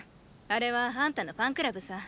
あれはあんたのファンクラブさ。